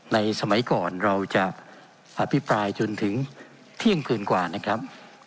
สมัยก่อนเราจะอภิปรายจนถึงเที่ยงคืนกว่านะครับ